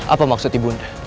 apa maksud ibu